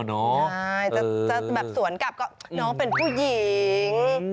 ใช่จะแบบสวนกลับก็น้องเป็นผู้หญิง